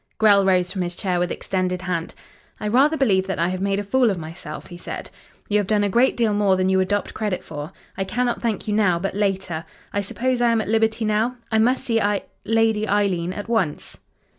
Grell rose from his chair with extended hand. "I rather believe that I have made a fool of myself," he said. "You have done a great deal more than you adopt credit for. I cannot thank you now, but later I suppose I am at liberty now. I must see Ei Lady Eileen at once."